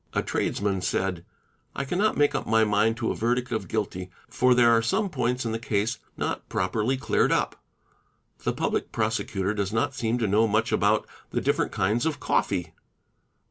A tradesman said, 'I cannot make up my mind to a verdict of guilty, for there are some points in the case not properly cleared up ; the Public Prosecutor does not seem to know much about the different kinds' of coffee.